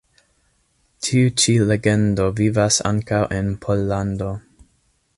Tiu ĉi legendo vivas ankaŭ en Pollando.